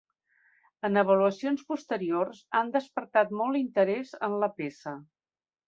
En avaluacions posteriors han despertat molt interès en la peça.